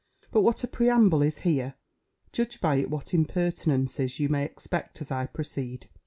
But what a preamble is here? Judge by it what impertinences you may expect as I proceed.